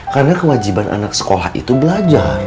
karena kewajiban anak sekolah itu belajar